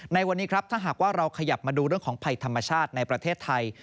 ในวันนี้ครับถ้าหากว่าเราขยับมาดูเรื่องของภัยธรรมชาติในประเทศไทย